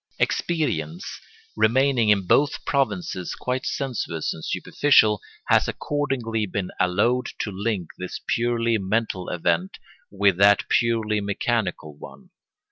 Experience, remaining in both provinces quite sensuous and superficial, has accordingly been allowed to link this purely mental event with that purely mechanical one.